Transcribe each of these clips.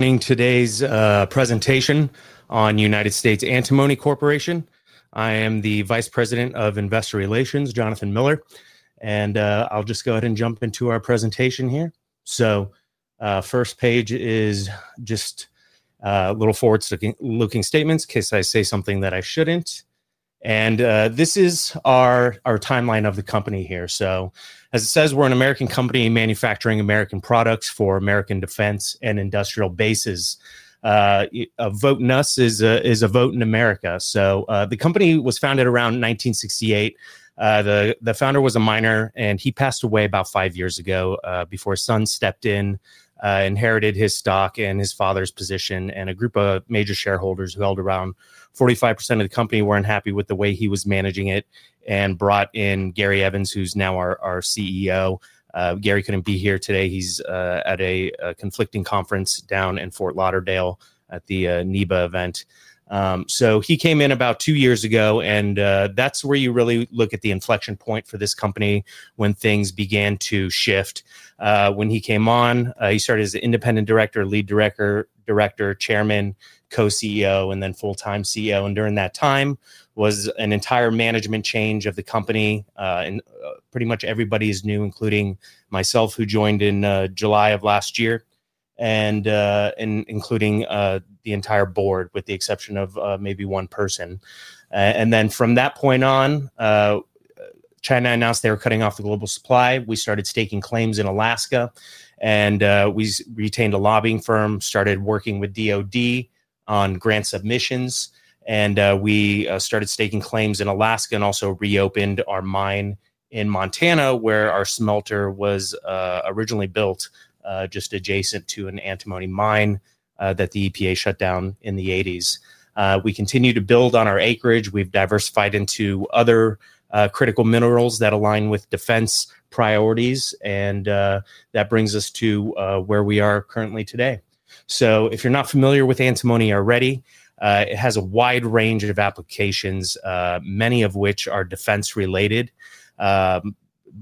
Today's presentation on United States Antimony Corporation. I am the Vice President of Investor Relations, Jonathan Miller. I'll just go ahead and jump into our presentation here. The first page is just a little forward-looking statements in case I say something that I shouldn't. This is our timeline of the company here. As it says, we're an American company manufacturing American products for American defense and industrial bases. A vote in us is a vote in America. The company was founded around 1968. The founder was a miner, and he passed away about five years ago before his son stepped in, inherited his stock and his father's position. A group of major shareholders who held around 45% of the company were unhappy with the way he was managing it and brought in Gary C. Evans, who's now our CEO. Gary couldn't be here today. He's at a conflicting conference down in Fort Lauderdale at the NEBA event. He came in about two years ago, and that's where you really look at the inflection point for this company when things began to shift. When he came on, he started as an independent director, lead director, chairman, co-CEO, and then full-time CEO. During that time was an entire management change of the company. Pretty much everybody is new, including myself, who joined in July of last year, and including the entire board, with the exception of maybe one person. From that point on, China announced they were cutting off the global supply. We started staking claims in Alaska, and we retained a lobbying firm, started working with DOD on grant submissions, and we started staking claims in Alaska and also reopened our mine in Montana, where our smelter was originally built just adjacent to an antimony mine that the EPA shut down in the 1980s. We continue to build on our acreage. We've diversified into other critical minerals that align with defense priorities. That brings us to where we are currently today. If you're not familiar with antimony already, it has a wide range of applications, many of which are defense-related.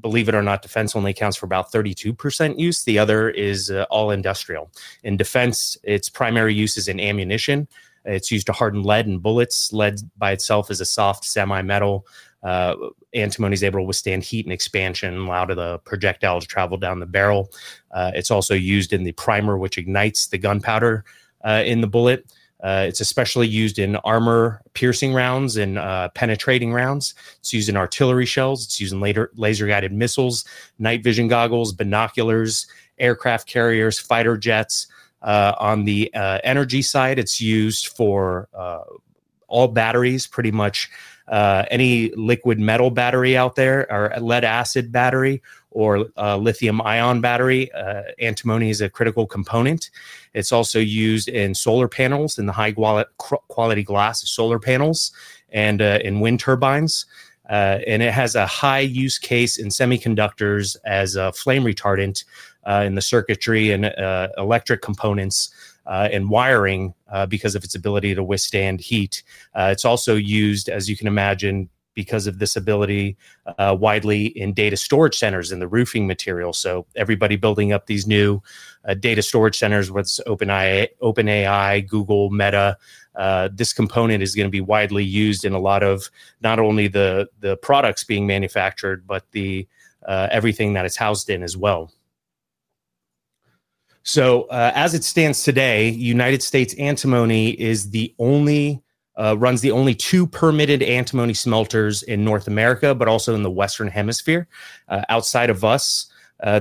Believe it or not, defense only accounts for about 32% use. The other is all industrial. In defense, its primary use is in ammunition. It's used to harden lead in bullets. Lead by itself is a soft semi-metal. Antimony is able to withstand heat and expansion and allow the projectile to travel down the barrel. It's also used in the primer, which ignites the gunpowder in the bullet. It's especially used in armor piercing rounds and penetrating rounds. It's used in artillery shells. It's used in laser-guided missiles, night vision goggles, binoculars, aircraft carriers, fighter jets. On the energy side, it's used for all batteries, pretty much any liquid metal battery out there, or a lead acid battery or a lithium-ion battery. Antimony is a critical component. It's also used in solar panels, in the high-quality glass solar panels, and in wind turbines. It has a high use case in semiconductors as a flame retardant in the circuitry and electric components and wiring because of its ability to withstand heat. It's also used, as you can imagine, because of this ability, widely in data storage centers in the roofing material. Everybody building up these new data storage centers with OpenAI, Google, Meta, this component is going to be widely used in a lot of not only the products being manufactured, but everything that it's housed in as well. As it stands today, United States Antimony runs the only two permitted antimony smelters in North America, but also in the Western Hemisphere. Outside of us,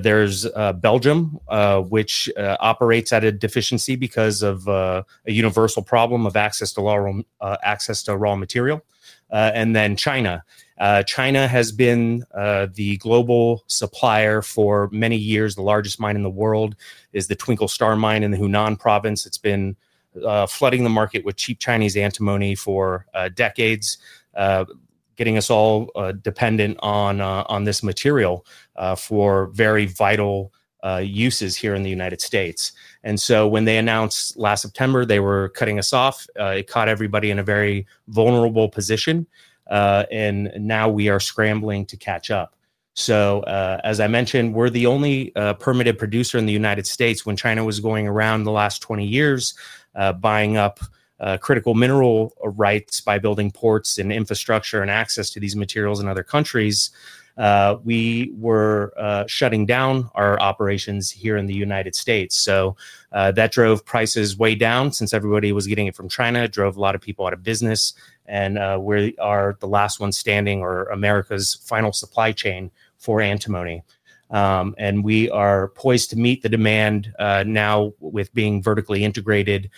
there's Belgium, which operates at a deficiency because of a universal problem of access to raw material, and then China. China has been the global supplier for many years. The largest mine in the world is the Twinkle Star Mine in the Hunan province. It's been flooding the market with cheap Chinese antimony for decades, getting us all dependent on this material for very vital uses here in the United States. When they announced last September they were cutting us off, it caught everybody in a very vulnerable position. Now we are scrambling to catch up. As I mentioned, we're the only permitted producer in the United States. When China was going around the last 20 years, buying up critical mineral rights by building ports and infrastructure and access to these materials in other countries, we were shutting down our operations here in the United States. That drove prices way down since everybody was getting it from China, drove a lot of people out of business. We are the last one standing or America's final supply chain for antimony. We are poised to meet the demand now with being vertically integrated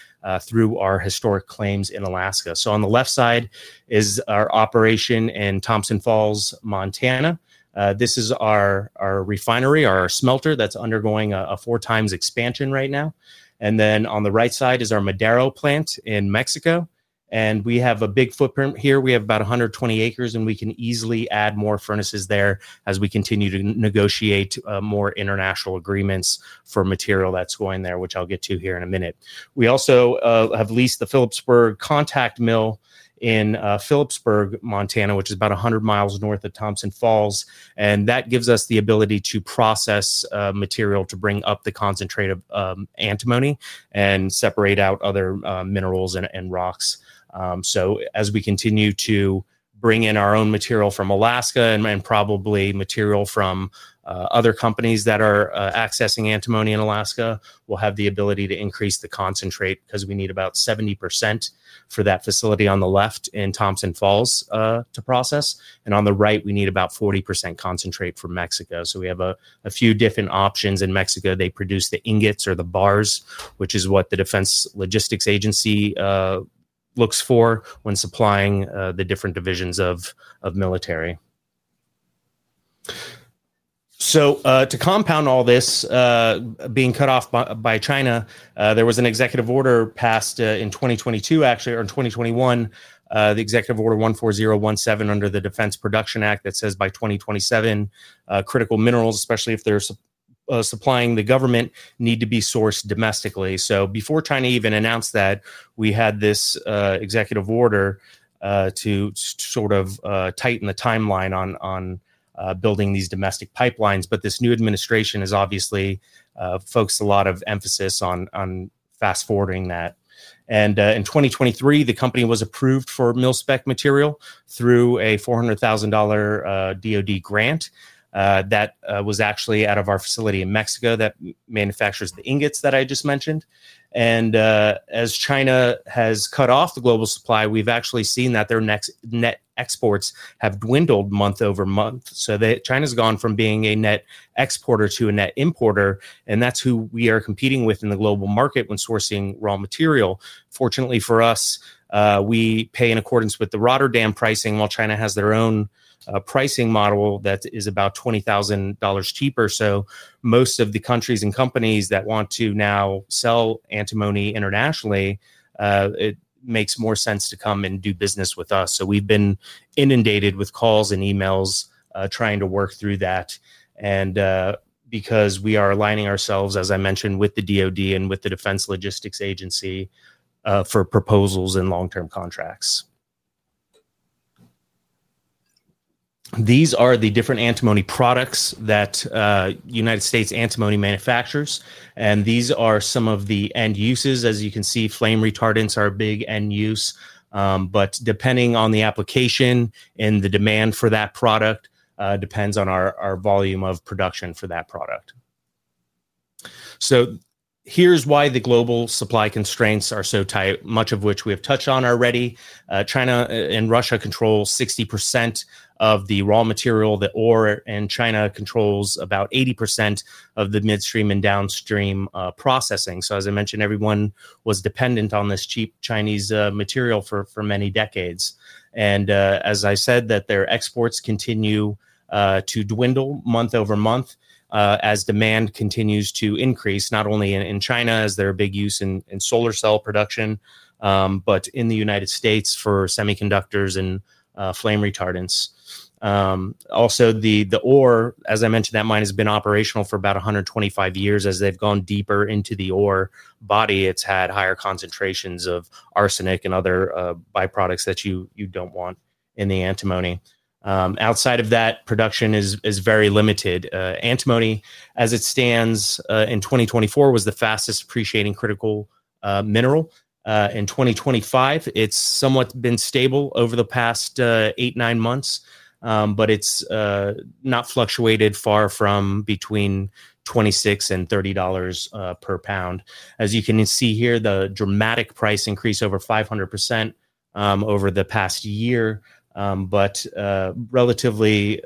through our historic claims in Alaska. On the left side is our operation in Thompson Falls, Montana. This is our refinery, our smelter that's undergoing a four-times expansion right now. On the right side is our Madero plant in Mexico. We have a big footprint here. We have about 120 acres, and we can easily add more furnaces there as we continue to negotiate more international agreements for material that's going there, which I'll get to here in a minute. We have also leased the Philipsburg contact mill in Philipsburg, Montana, which is about 100 miles north of Thompson Falls. That gives us the ability to process material to bring up the concentrate of antimony and separate out other minerals and rocks. As we continue to bring in our own material from Alaska and probably material from other companies that are accessing antimony in Alaska, we'll have the ability to increase the concentrate because we need about 70% for that facility on the left in Thompson Falls to process. On the right, we need about 40% concentrate for Mexico. We have a few different options in Mexico. They produce the ingots or the bars, which is what the Defense Logistics Agency looks for when supplying the different divisions of military. To compound all this, being cut off by China, there was an executive order passed in 2022, actually, or in 2021, Executive Order 14017 under the Defense Production Act that says by 2027, critical minerals, especially if they're supplying the government, need to be sourced domestically. Before China even announced that, we had this executive order to sort of tighten the timeline on building these domestic pipelines. This new administration has obviously focused a lot of emphasis on fast-forwarding that. In 2023, the company was approved for mill spec material through a $400,000 DOD grant that was actually out of our facility in Mexico that manufactures the ingots that I just mentioned. As China has cut off the global supply, we've actually seen that their net exports have dwindled month over month. China's gone from being a net exporter to a net importer, and that's who we are competing with in the global market when sourcing raw material. Fortunately for us, we pay in accordance with the Rotterdam pricing, while China has their own pricing model that is about $20,000 cheaper. Most of the countries and companies that want to now sell antimony internationally, it makes more sense to come and do business with us. We've been inundated with calls and emails trying to work through that. Because we are aligning ourselves, as I mentioned, with the Department of Defense and with the Defense Logistics Agency for proposals and long-term contracts. These are the different antimony products that United States Antimony Corporation manufactures. These are some of the end uses. As you can see, flame retardants are a big end use. Depending on the application and the demand for that product, it depends on our volume of production for that product. Here's why the global supply constraints are so tight, much of which we have touched on already. China and Russia control 60% of the raw material, and China controls about 80% of the midstream and downstream processing. As I mentioned, everyone was dependent on this cheap Chinese material for many decades. Their exports continue to dwindle month over month as demand continues to increase, not only in China, as they're a big use in solar cell production, but in the United States for semiconductors and flame retardants. Also, the ore, as I mentioned, that mine has been operational for about 125 years. As they've gone deeper into the ore body, it's had higher concentrations of arsenic and other byproducts that you don't want in the antimony. Outside of that, production is very limited. Antimony, as it stands in 2024, was the fastest appreciating critical mineral. In 2025, it's somewhat been stable over the past eight, nine months, but it's not fluctuated far from between $26 and $30 per pound. As you can see here, the dramatic price increase over 500% over the past year, but relatively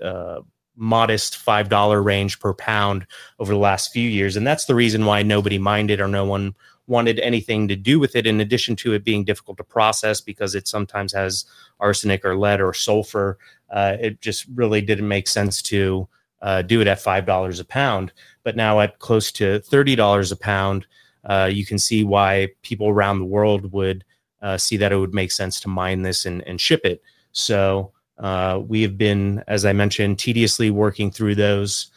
modest $5 range per pound over the last few years. That's the reason why nobody mined or no one wanted anything to do with it. In addition to it being difficult to process because it sometimes has arsenic or lead or sulfur, it just really didn't make sense to do it at $5 a pound. Now at close to $30 a pound, you can see why people around the world would see that it would make sense to mine this and ship it. We have been, as I mentioned, tediously working through those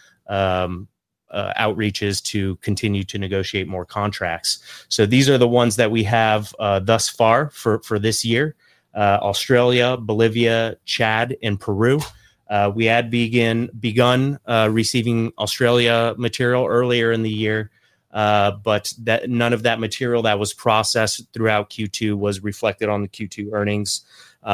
outreaches to continue to negotiate more contracts. These are the ones that we have thus far for this year: Australia, Bolivia, Chad, and Peru. We had begun receiving Australia material earlier in the year, but none of that material that was processed throughout Q2 was reflected on the Q2 earnings. In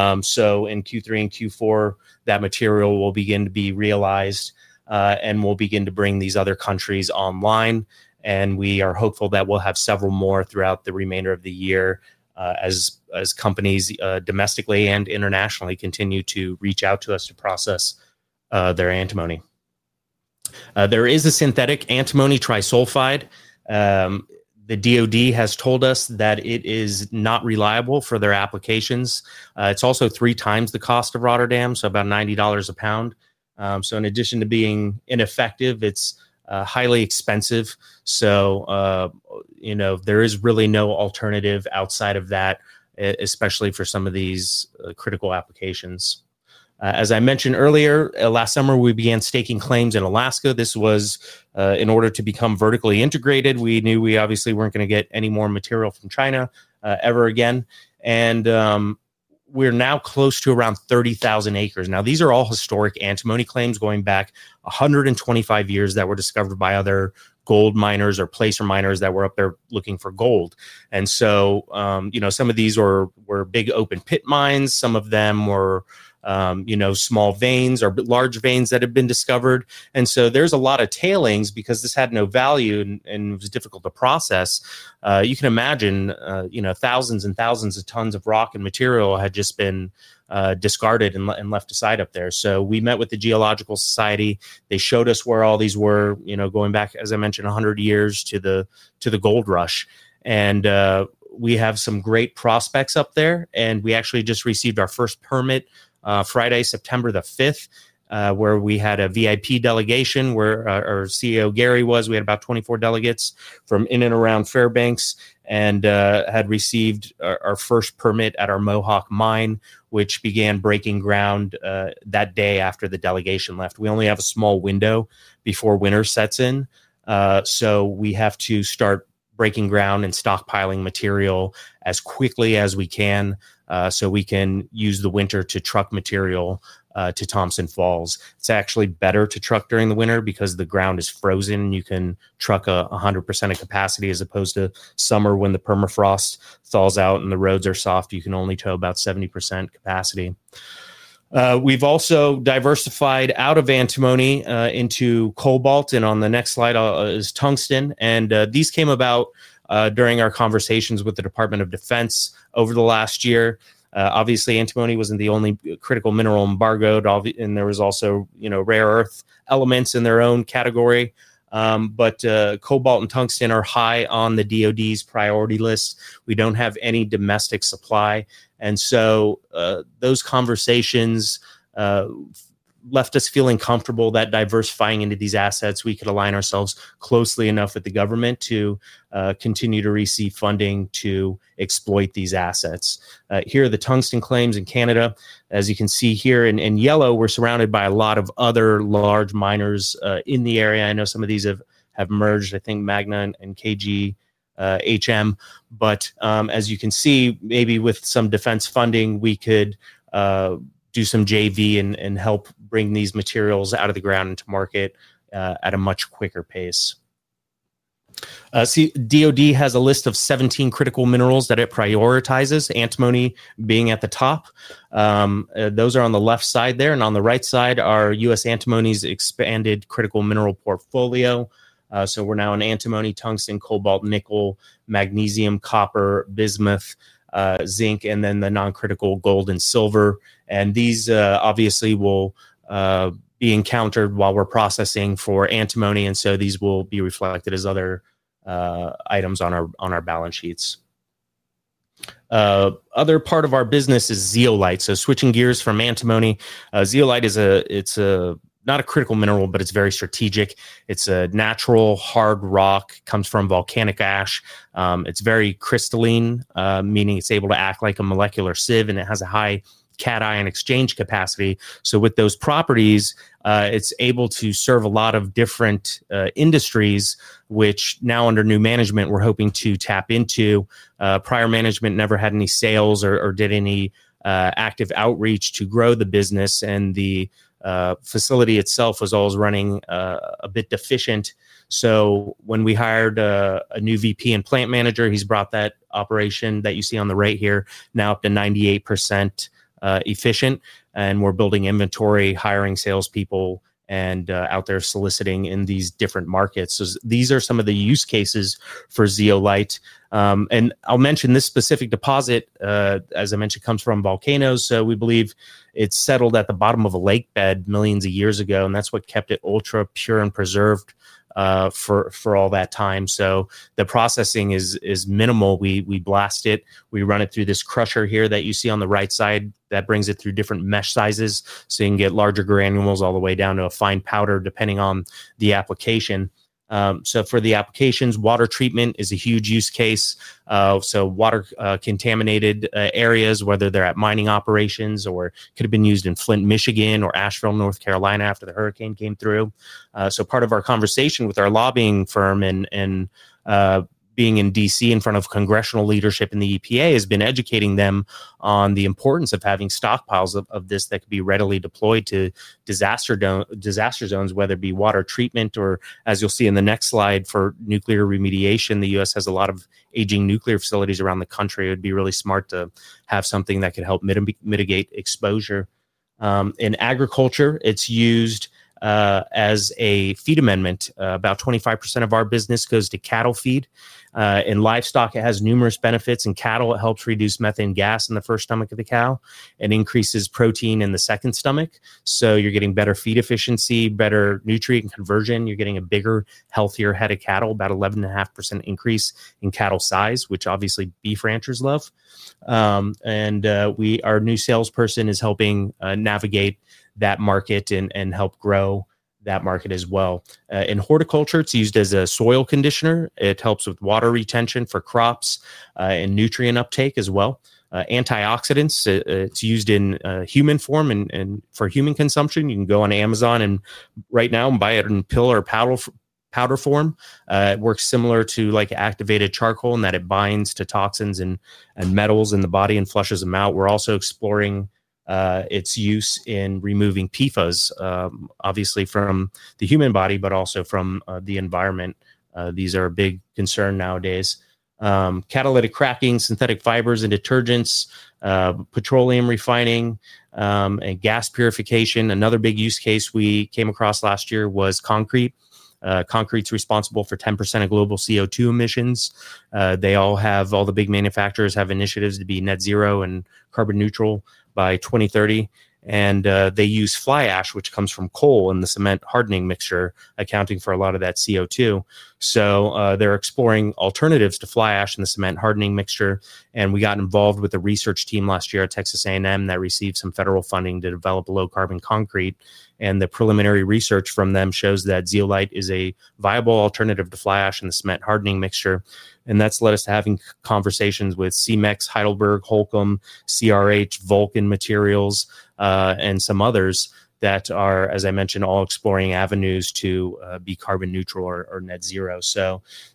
Q3 and Q4, that material will begin to be realized and will begin to bring these other countries online. We are hopeful that we'll have several more throughout the remainder of the year as companies domestically and internationally continue to reach out to us to process their antimony. There is a synthetic antimony trisulfide. The Department of Defense has told us that it is not reliable for their applications. It's also three times the cost of Rotterdam, so about $90 a pound. In addition to being ineffective, it's highly expensive. There is really no alternative outside of that, especially for some of these critical applications. As I mentioned earlier, last summer we began staking claims in Alaska. This was in order to become vertically integrated. We knew we obviously weren't going to get any more material from China ever again. We are now close to around 30,000 acres. These are all historic antimony claims going back 125 years that were discovered by other gold miners or placer miners that were up there looking for gold. Some of these were big open pit mines. Some of them were small veins or large veins that had been discovered. There is a lot of tailings because this had no value and was difficult to process. You can imagine thousands and thousands of tons of rock and material had just been discarded and left aside up there. We met with the Geological Society. They showed us where all these were, going back, as I mentioned, 100 years to the gold rush. We have some great prospects up there. We actually just received our first permit Friday, September 5, where we had a VIP delegation, where our CEO, Gary C. Evans, was. We had about 24 delegates from in and around Fairbanks and had received our first permit at our Mohawk mine, which began breaking ground that day after the delegation left. We only have a small window before winter sets in. We have to start breaking ground and stockpiling material as quickly as we can so we can use the winter to truck material to Thompson Falls. It's actually better to truck during the winter because the ground is frozen. You can truck 100% of capacity as opposed to summer when the permafrost thaws out and the roads are soft. You can only tow about 70% capacity. We've also diversified out of antimony into cobalt. On the next slide is tungsten. These came about during our conversations with the Department of Defense over the last year. Obviously, antimony wasn't the only critical mineral embargoed. There was also, you know, rare earth elements in their own category. Cobalt and tungsten are high on the DOD's priority list. We don't have any domestic supply. Those conversations left us feeling comfortable that diversifying into these assets, we could align ourselves closely enough with the government to continue to receive funding to exploit these assets. Here are the tungsten claims in Canada. As you can see here in yellow, we're surrounded by a lot of other large miners in the area. I know some of these have merged, I think Magna and KGHM. As you can see, maybe with some defense funding, we could do some JV and help bring these materials out of the ground into market at a much quicker pace. DOD has a list of 17 critical minerals that it prioritizes, antimony being at the top. Those are on the left side there. On the right side are United States Antimony Corporation's expanded critical mineral portfolio. We're now in antimony, tungsten, cobalt, nickel, magnesium, copper, bismuth, zinc, and then the non-critical gold and silver. These obviously will be encountered while we're processing for antimony. These will be reflected as other items on our balance sheets. Other part of our business is zeolite. Switching gears from antimony, zeolite is a, it's not a critical mineral, but it's very strategic. It's a natural hard rock, comes from volcanic ash. It's very crystalline, meaning it's able to act like a molecular sieve and it has a high cation exchange capacity. With those properties, it's able to serve a lot of different industries, which now under new management, we're hoping to tap into. Prior management never had any sales or did any active outreach to grow the business. The facility itself was always running a bit deficient. When we hired a new VP and Plant Manager, he's brought that operation that you see on the right here now up to 98% efficient. We're building inventory, hiring salespeople, and out there soliciting in these different markets. These are some of the use cases for zeolite. I'll mention this specific deposit, as I mentioned, comes from volcanoes. We believe it's settled at the bottom of a lake bed millions of years ago. That's what kept it ultra pure and preserved for all that time. The processing is minimal. We blast it. We run it through this crusher here that you see on the right side. That brings it through different mesh sizes. You can get larger granules all the way down to a fine powder, depending on the application. For the applications, water treatment is a huge use case. Water contaminated areas, whether they're at mining operations or could have been used in Flint, Michigan, or Asheville, North Carolina, after the hurricane came through. Part of our conversation with our lobbying firm and being in D.C. in front of congressional leadership in the EPA has been educating them on the importance of having stockpiles of this that could be readily deployed to disaster zones, whether it be water treatment or, as you'll see in the next slide, for nuclear remediation. The U.S. has a lot of aging nuclear facilities around the country. It would be really smart to have something that could help mitigate exposure. In agriculture, it's used as a feed amendment. About 25% of our business goes to cattle feed. In livestock, it has numerous benefits. In cattle, it helps reduce methane gas in the first stomach of the cow and increases protein in the second stomach. You're getting better feed efficiency, better nutrient conversion. You're getting a bigger, healthier head of cattle, about 11.5% increase in cattle size, which obviously beef ranchers love. Our new salesperson is helping navigate that market and help grow that market as well. In horticulture, it's used as a soil conditioner. It helps with water retention for crops and nutrient uptake as well. Antioxidants, it's used in human form and for human consumption. You can go on Amazon right now and buy it in pill or powder form. It works similar to activated charcoal in that it binds to toxins and metals in the body and flushes them out. We're also exploring its use in removing PFAS, obviously from the human body, but also from the environment. These are a big concern nowadays. Catalytic cracking, synthetic fibers and detergents, petroleum refining, and gas purification. Another big use case we came across last year was concrete. Concrete's responsible for 10% of global CO2 emissions. All the big manufacturers have initiatives to be net zero and carbon neutral by 2030. They use fly ash, which comes from coal in the cement hardening mixture, accounting for a lot of that CO2. They're exploring alternatives to fly ash in the cement hardening mixture. We got involved with a research team last year at Texas A&M that received some federal funding to develop a low carbon concrete. The preliminary research from them shows that zeolite is a viable alternative to fly ash in the cement hardening mixture. That has led us to having conversations with Cemex, Heidelberg, Holcim, CRH, Vulcan Materials, and some others that are, as I mentioned, all exploring avenues to be carbon neutral or net zero.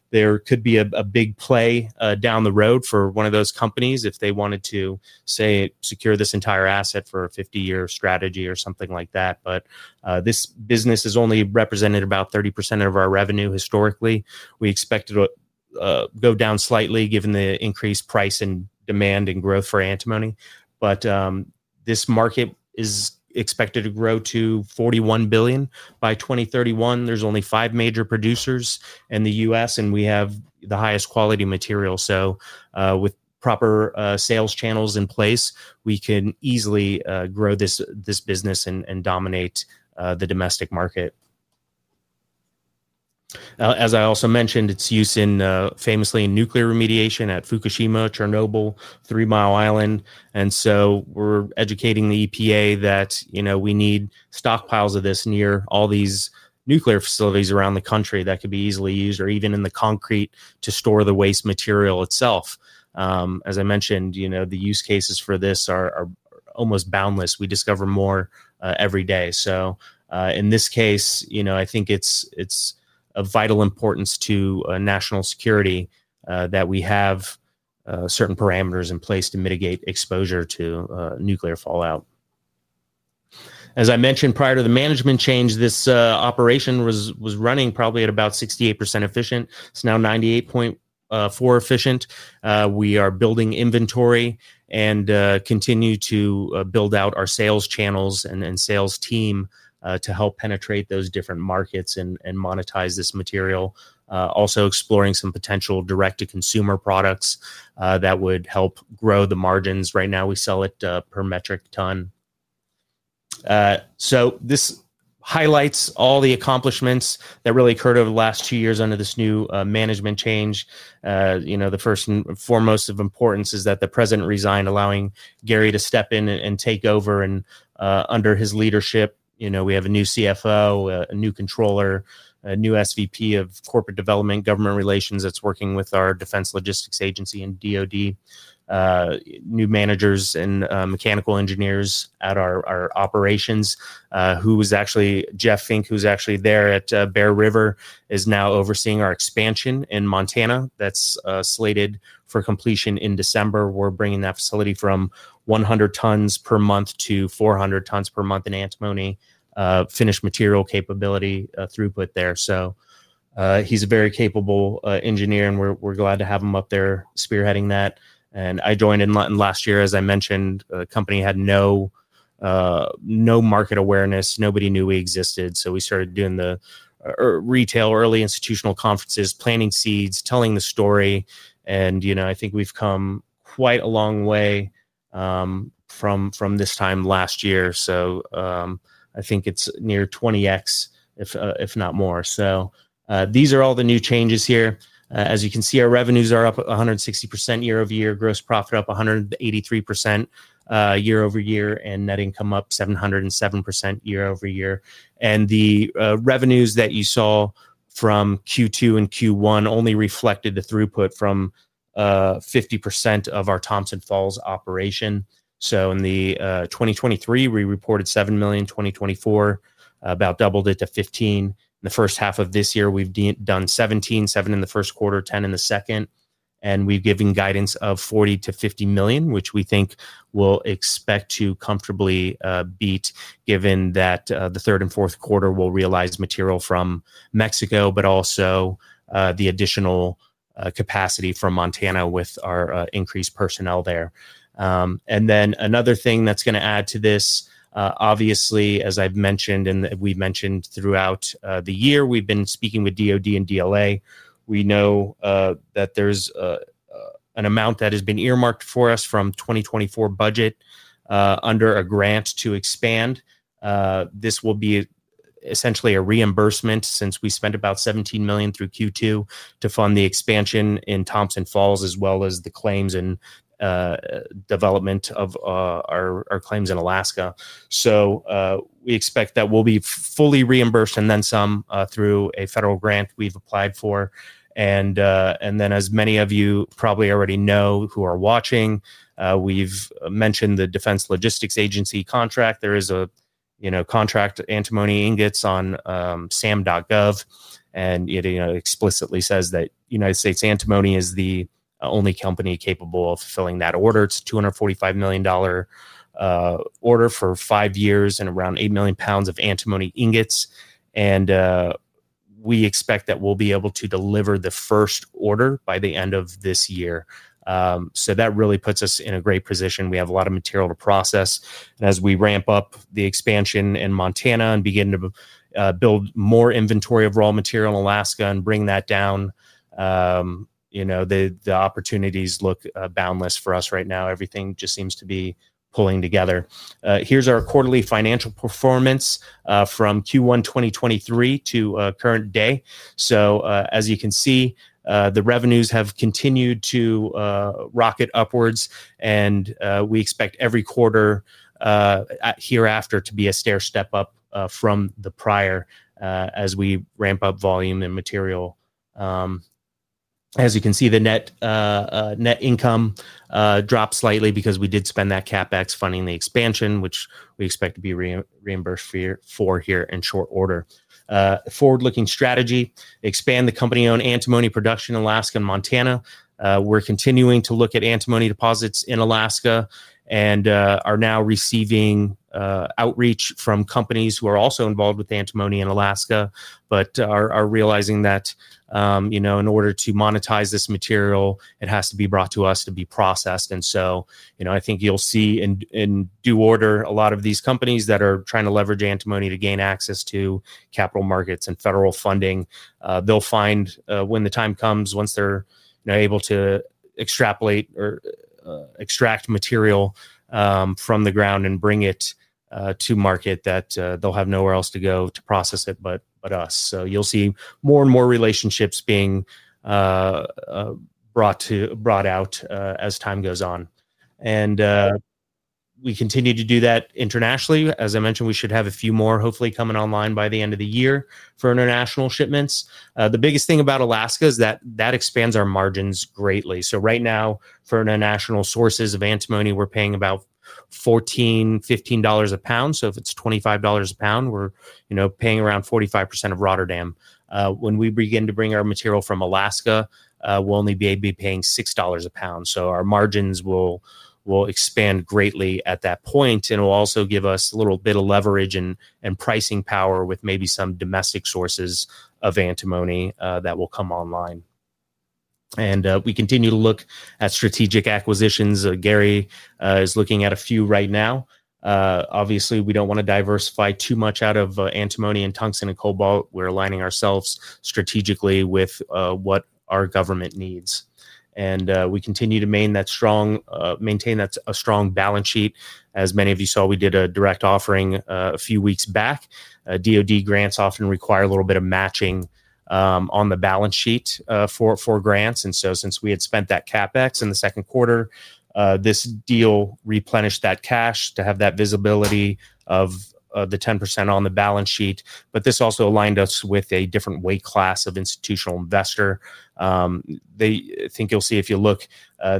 There could be a big play down the road for one of those companies if they wanted to, say, secure this entire asset for a 50-year strategy or something like that. This business has only represented about 30% of our revenue historically. We expect it to go down slightly given the increased price and demand and growth for antimony. This market is expected to grow to $41 billion by 2031. There are only five major producers in the U.S., and we have the highest quality material. With proper sales channels in place, we can easily grow this business and dominate the domestic market. As I also mentioned, it's used famously in nuclear remediation at Fukushima, Chernobyl, and Three Mile Island. We are educating the EPA that we need stockpiles of this near all these nuclear facilities around the country that could be easily used or even in the concrete to store the waste material itself. The use cases for this are almost boundless. We discover more every day. In this case, I think it's of vital importance to national security that we have certain parameters in place to mitigate exposure to nuclear fallout. As I mentioned prior to the management change, this operation was running probably at about 68% efficient. It's now 98.4% efficient. We are building inventory and continue to build out our sales channels and sales team to help penetrate those different markets and monetize this material. Also, exploring some potential direct-to-consumer products that would help grow the margins. Right now, we sell it per metric ton. This highlights all the accomplishments that really occurred over the last two years under this new management change. The first and foremost of importance is that the President resigned, allowing Gary C. Evans to step in and take over. Under his leadership, we have a new CFO, a new Controller, a new SVP of Corporate Development, Government Relations that's working with our Defense Logistics Agency and DOD, new managers and mechanical engineers at our operations. Jeff Fink, who's actually there at Bear River, is now overseeing our expansion in Montana that's slated for completion in December. We're bringing that facility from 100 tons per month to 400 tons per month in antimony finished material capability throughput there. He's a very capable engineer, and we're glad to have him up there spearheading that. I joined in London last year, as I mentioned. The company had no market awareness. Nobody knew we existed. We started doing the retail early institutional conferences, planting seeds, telling the story. I think we've come quite a long way from this time last year. I think it's near 20X, if not more. These are all the new changes here. As you can see, our revenues are up 160% year over year, gross profit up 183% year over year, and net income up 707% year over year. The revenues that you saw from Q2 and Q1 only reflected the throughput from 50% of our Thompson Falls operation. In 2023, we reported $7 million. In 2024, about doubled it to $15 million. In the first half of this year, we've done $17 million, $7 million in the first quarter, $10 million in the second. We've given guidance of $40 million to $50 million, which we think we'll expect to comfortably beat, given that the third and fourth quarter we'll realize material from Mexico, but also the additional capacity from Montana with our increased personnel there. Another thing that's going to add to this, obviously, as I've mentioned and we've mentioned throughout the year, we've been speaking with DOD and DLA. We know that there's an amount that has been earmarked for us from 2024 budget under a grant to expand. This will be essentially a reimbursement since we spent about $17 million through Q2 to fund the expansion in Thompson Falls, as well as the claims and development of our claims in Alaska. We expect that we'll be fully reimbursed and then some through a federal grant we've applied for. As many of you probably already know who are watching, we've mentioned the Defense Logistics Agency contract. There is a contract antimony ingots on sam.gov. It explicitly says that United States Antimony is the only company capable of filling that order. It's a $245 million order for five years and around 8 million pounds of antimony ingots. We expect that we'll be able to deliver the first order by the end of this year. That really puts us in a great position. We have a lot of material to process. As we ramp up the expansion in Montana and begin to build more inventory of raw material in Alaska and bring that down, the opportunities look boundless for us right now. Everything just seems to be pulling together. Here's our quarterly financial performance from Q1 2023 to current day. As you can see, the revenues have continued to rocket upwards. We expect every quarter hereafter to be a stair step up from the prior as we ramp up volume and material. As you can see, the net income dropped slightly because we did spend that CapEx funding the expansion, which we expect to be reimbursed for here in short order. Forward-looking strategy: expand the company-owned antimony production in Alaska and Montana. We're continuing to look at antimony deposits in Alaska and are now receiving outreach from companies who are also involved with antimony in Alaska, but are realizing that in order to monetize this material, it has to be brought to us to be processed. I think you'll see in due order a lot of these companies that are trying to leverage antimony to gain access to capital markets and federal funding, they'll find when the time comes, once they're able to extrapolate or extract material from the ground and bring it to market, that they'll have nowhere else to go to process it but us. You'll see more and more relationships being brought out as time goes on. We continue to do that internationally. As I mentioned, we should have a few more hopefully coming online by the end of the year for international shipments. The biggest thing about Alaska is that that expands our margins greatly. Right now, for international sources of antimony, we're paying about $14, $15 a pound. If it's $25 a pound, we're paying around 45% of Rotterdam. When we begin to bring our material from Alaska, we'll only be paying $6 a pound. Our margins will expand greatly at that point. It will also give us a little bit of leverage and pricing power with maybe some domestic sources of antimony that will come online. We continue to look at strategic acquisitions. Gary is looking at a few right now. Obviously, we don't want to diversify too much out of antimony and tungsten and cobalt. We're aligning ourselves strategically with what our government needs. We continue to maintain that strong balance sheet. As many of you saw, we did a direct offering a few weeks back. DOD grants often require a little bit of matching on the balance sheet for grants. Since we had spent that CapEx in the second quarter, this deal replenished that cash to have that visibility of the 10% on the balance sheet. This also aligned us with a different weight class of institutional investor. I think you'll see if you look,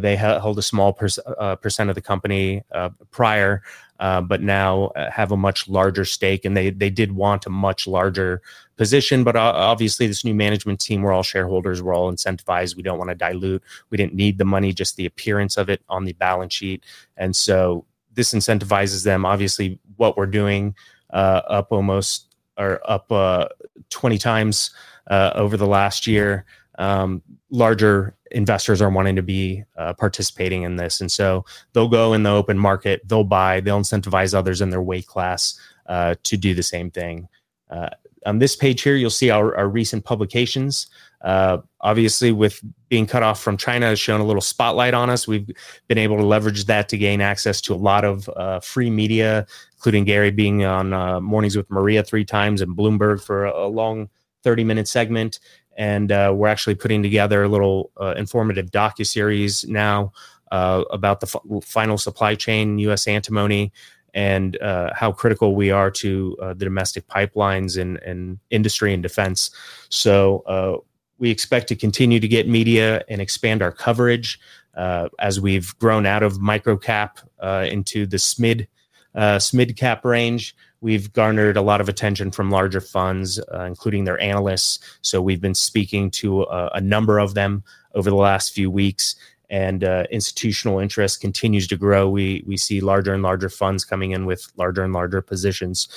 they held a small % of the company prior, but now have a much larger stake. They did want a much larger position. Obviously, this new management team, we're all shareholders, we're all incentivized. We don't want to dilute. We didn't need the money, just the appearance of it on the balance sheet. This incentivizes them. Obviously, what we're doing up almost or up 20 times over the last year, larger investors are wanting to be participating in this. They'll go in the open market, they'll buy, they'll incentivize others in their weight class to do the same thing. On this page here, you'll see our recent publications. Obviously, with being cut off from China has shown a little spotlight on us. We've been able to leverage that to gain access to a lot of free media, including Gary being on Mornings with Maria three times and Bloomberg for a long 30-minute segment. We're actually putting together a little informative docu-series now about the final supply chain in U.S. antimony and how critical we are to the domestic pipelines and industry and defense. We expect to continue to get media and expand our coverage as we've grown out of micro-cap into this mid-cap range. We've garnered a lot of attention from larger funds, including their analysts. We've been speaking to a number of them over the last few weeks. Institutional interest continues to grow. We see larger and larger funds coming in with larger and larger positions.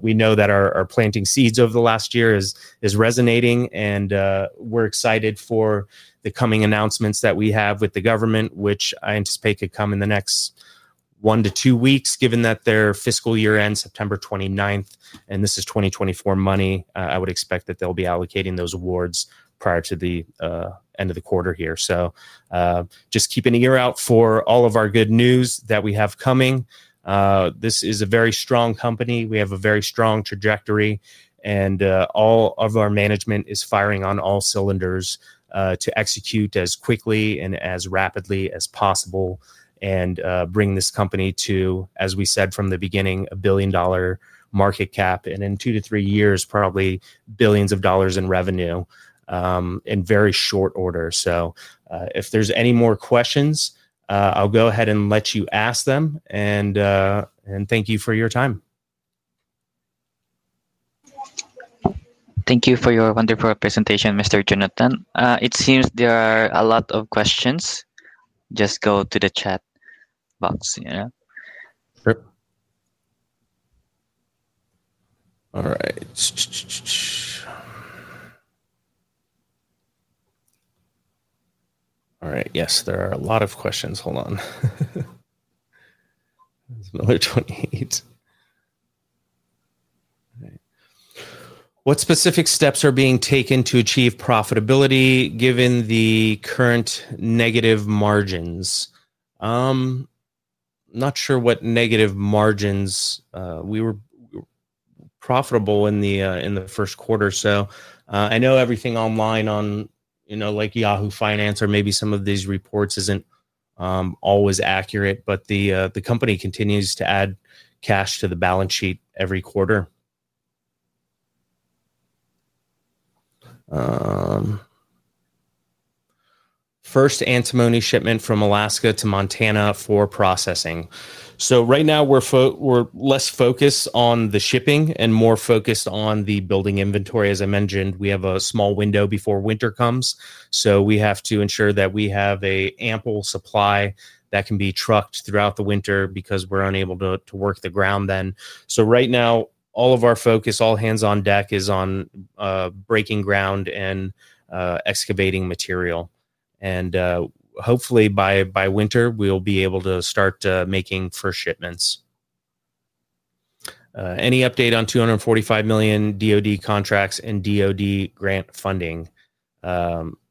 We know that our planting seeds over the last year is resonating. We're excited for the coming announcements that we have with the government, which I anticipate could come in the next one to two weeks, given that their fiscal year ends September 29, 2024. I would expect that they'll be allocating those awards prior to the end of the quarter here. Please keep an ear out for all of our good news that we have coming. This is a very strong company. We have a very strong trajectory. All of our management is firing on all cylinders to execute as quickly and as rapidly as possible and bring this company to, as we said from the beginning, a billion-dollar market cap. In two to three years, probably billions of dollars in revenue in very short order. If there's any more questions, I'll go ahead and let you ask them. Thank you for your time. Thank you for your wonderful presentation, Mr. Jonathan Miller. It seems there are a lot of questions. Just go to the chat box. Sure. All right. Yes, there are a lot of questions. Hold on. There's another 28. What specific steps are being taken to achieve profitability given the current negative margins? I'm not sure what negative margins. We were profitable in the first quarter. I know everything online on, you know, like Yahoo Finance or maybe some of these reports isn't always accurate, but the company continues to add cash to the balance sheet every quarter. First antimony shipment from Alaska to Montana for processing. Right now we're less focused on the shipping and more focused on building inventory. As I mentioned, we have a small window before winter comes. We have to ensure that we have an ample supply that can be trucked throughout the winter because we're unable to work the ground then. Right now all of our focus, all hands on deck, is on breaking ground and excavating material. Hopefully by winter we'll be able to start making first shipments. Any update on $245 million DOD contracts and DOD grant funding?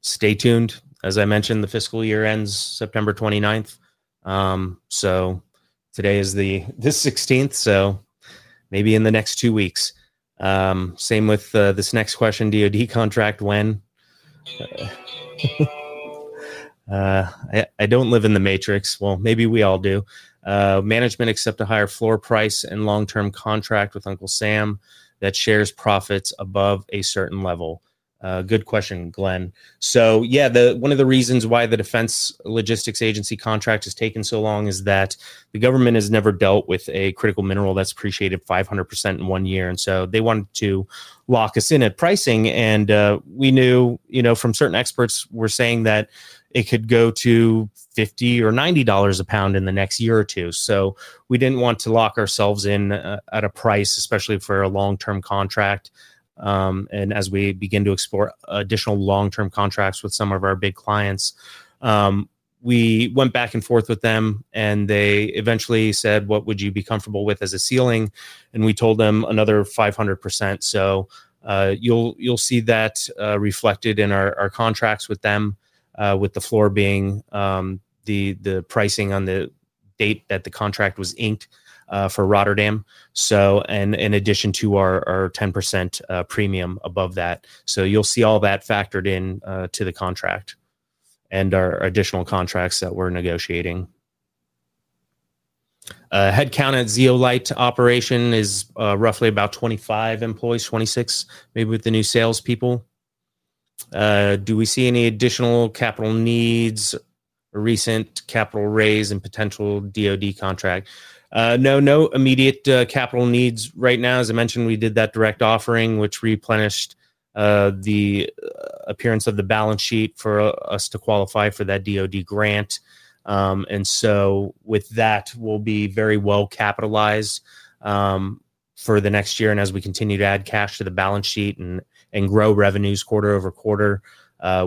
Stay tuned. As I mentioned, the fiscal year ends September 29th. Today is the 16th. Maybe in the next two weeks. Same with this next question, DOD contract when? I don't live in the matrix. Maybe we all do. Management accepts a higher floor price and long-term contract with Uncle Sam that shares profits above a certain level. Good question, Glenn. One of the reasons why the Defense Logistics Agency contract has taken so long is that the government has never dealt with a critical mineral that's appreciated 500% in one year. They wanted to lock us in at pricing. We knew, you know, from certain experts were saying that it could go to $50 or $90 a pound in the next year or two. We didn't want to lock ourselves in at a price, especially for a long-term contract. As we begin to explore additional long-term contracts with some of our big clients, we went back and forth with them. They eventually said, what would you be comfortable with as a ceiling? We told them another 500%. You'll see that reflected in our contracts with them, with the floor being the pricing on the date that the contract was inked for Rotterdam. In addition to our 10% premium above that. You'll see all that factored into the contract and our additional contracts that we're negotiating. Headcount at zeolite operation is roughly about 25 employees, 26, maybe with the new salespeople. Do we see any additional capital needs or recent capital raise and potential Department of Defense (DOD) contract? No, no immediate capital needs right now. As I mentioned, we did that direct offering, which replenished the appearance of the balance sheet for us to qualify for that DOD grant. With that, we'll be very well capitalized for the next year. As we continue to add cash to the balance sheet and grow revenues quarter over quarter,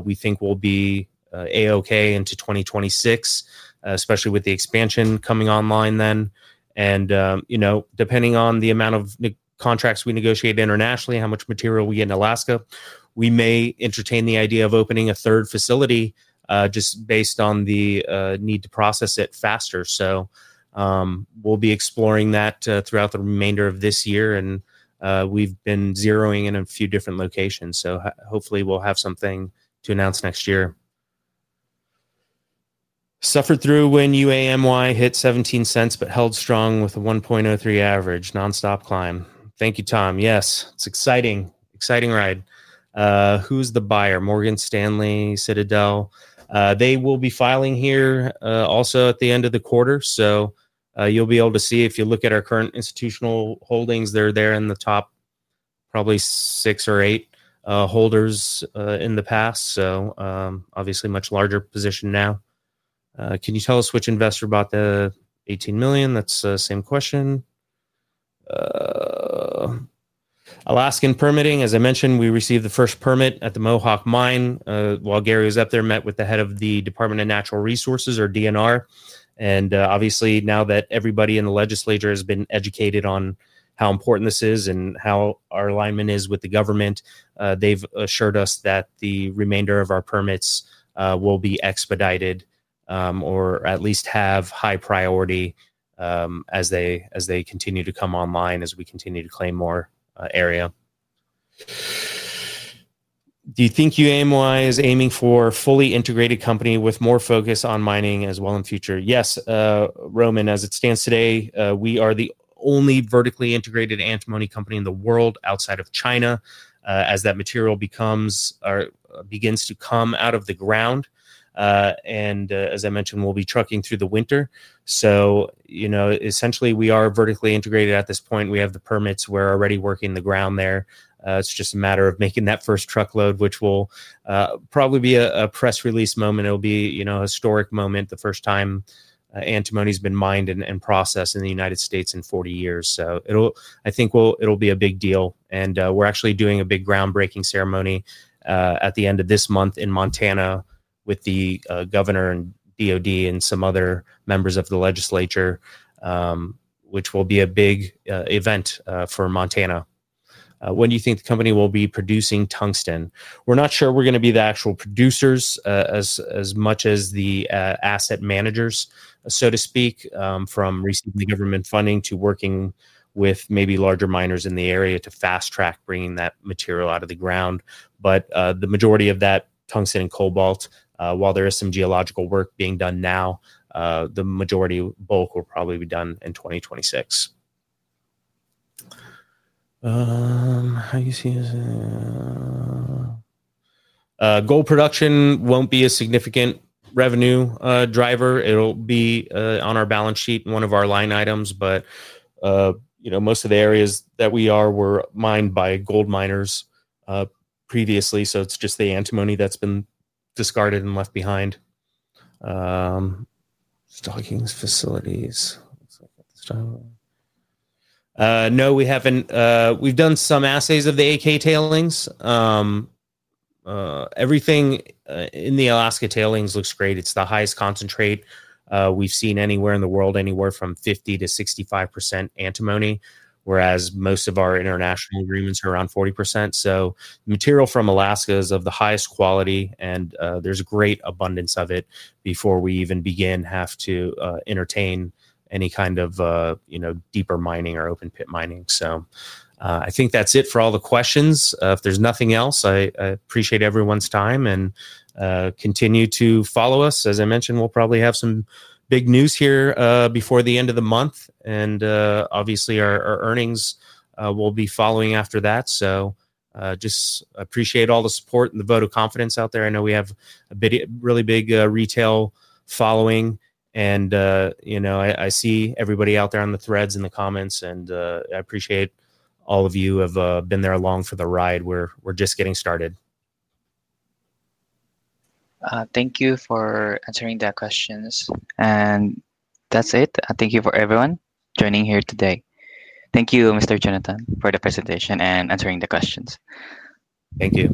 we think we'll be AOK into 2026, especially with the expansion coming online then. Depending on the amount of contracts we negotiate internationally, how much material we get in Alaska, we may entertain the idea of opening a third facility just based on the need to process it faster. We'll be exploring that throughout the remainder of this year. We've been zeroing in a few different locations. Hopefully we'll have something to announce next year. Suffered through when UAMY hit $0.17 but held strong with a $1.03 average nonstop climb. Thank you, Tom. Yes, it's exciting. Exciting ride. Who's the buyer? Morgan Stanley, Citadel. They will be filing here also at the end of the quarter. You'll be able to see if you look at our current institutional holdings, they're there in the top probably six or eight holders in the past. Obviously much larger position now. Can you tell us which investor bought the $18 million? That's the same question. Alaskan permitting, as I mentioned, we received the first permit at the Mohawk mine. While Gary was up there, met with the head of the Department of Natural Resources, or DNR. Obviously now that everybody in the legislature has been educated on how important this is and how our alignment is with the government, they've assured us that the remainder of our permits will be expedited or at least have high priority as they continue to come online, as we continue to claim more area. Do you think UAMY is aiming for a fully integrated company with more focus on mining as well in the future? Yes, Roman, as it stands today, we are the only vertically integrated antimony company in the world outside of China, as that material begins to come out of the ground. As I mentioned, we'll be trucking through the winter. Essentially we are vertically integrated at this point. We have the permits. We're already working the ground there. It's just a matter of making that first truckload, which will probably be a press release moment. It'll be, you know, a historic moment, the first time antimony's been mined and processed in the United States in 40 years. I think it'll be a big deal. We're actually doing a big groundbreaking ceremony at the end of this month in Montana with the governor and DOD and some other members of the legislature, which will be a big event for Montana. When do you think the company will be producing tungsten? We're not sure we're going to be the actual producers as much as the asset managers, so to speak, from recent government funding to working with maybe larger miners in the area to fast track bringing that material out of the ground. The majority of that tungsten and cobalt, while there is some geological work being done now, the majority bulk will probably be done in 2026. How do you see this? Gold production won't be a significant revenue driver. It'll be on our balance sheet and one of our line items. Most of the areas that we are were mined by gold miners previously. It's just the antimony that's been discarded and left behind. Stocking facilities. No, we haven't. We've done some assays of the AK tailings. Everything in the Alaska tailings looks great. It's the highest concentrate we've seen anywhere in the world, anywhere from 50% to 65% antimony, whereas most of our international agreements are around 40%. The material from Alaska is of the highest quality. There's a great abundance of it before we even begin to have to entertain any kind of, you know, deeper mining or open pit mining. I think that's it for all the questions. If there's nothing else, I appreciate everyone's time and continue to follow us. As I mentioned, we'll probably have some big news here before the end of the month. Obviously, our earnings will be following after that. I just appreciate all the support and the vote of confidence out there. I know we have a really big retail following. I see everybody out there on the threads and the comments. I appreciate all of you who have been there along for the ride. We're just getting started. Thank you for answering the questions. That's it. Thank you for everyone joining here today. Thank you, Mr. Jonathan Miller, for the presentation and answering the questions. Thank you.